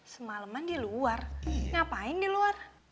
semalaman di luar ngapain di luar